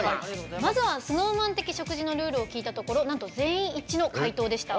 まずはＳｎｏｗＭａｎ的食事を聞いたところなんと全員一致の回答でした。